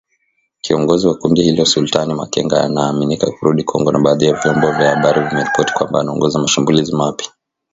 Kiongozi wa kundi hilo Sultani Makenga anaaminika kurudi Kongo, na badhi ya vyombo vya habari vimeripoti kwamba anaongoza mashambulizi mapya.